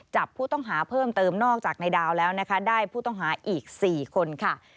จับผู้ต้องหาเพิ่มเติมนอกจากในดาวแล้วนะคะได้ผู้ต้องหาอีก๔คนค่ะ